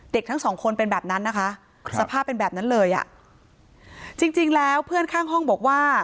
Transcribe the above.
ทั้งสองคนเป็นแบบนั้นนะคะสภาพเป็นแบบนั้นเลยอ่ะจริงจริงแล้วเพื่อนข้างห้องบอกว่า